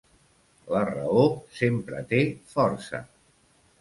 La raó sempre té força.